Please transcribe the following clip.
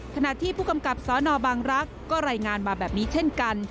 ขณะที่ผู้กำกับสนบางรักษ์ก็รายงานมาแบบนี้เช่นกัน